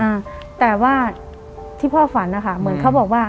อ่าแต่ว่าที่พ่อฝันนะคะเหมือนเขาบอกว่า